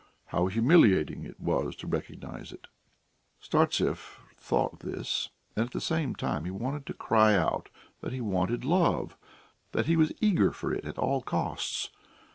How humiliating it was to recognise it! Startsev thought this, and at the same time he wanted to cry out that he wanted love, that he was eager for it at all costs.